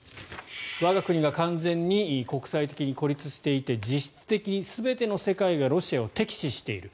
我が国が完全に国際的に孤立していて実質的に全ての世界がロシアを敵視している。